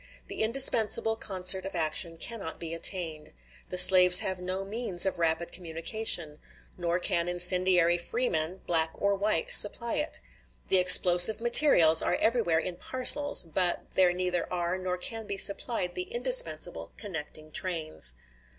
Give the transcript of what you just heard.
The indispensable concert of action cannot be attained. The slaves have no means of rapid communication; nor can incendiary freemen, black or white, supply it. The explosive materials are everywhere in parcels; but there neither are nor can be supplied the indispensable connecting trains.